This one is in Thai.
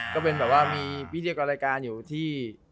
ก็เป็นแบบว่ามีรายการอยู่ที่